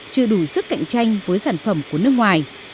chưa đủ sức cạnh tranh với sản phẩm của nước ngoài